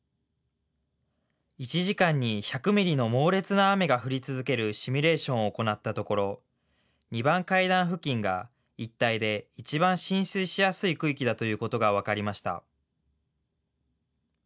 １時間に１００ミリの猛烈な雨が降り続けるシミュレーションを行ったところ２番階段付近が一帯でいちばん浸水しやすい区域だということが分かりました。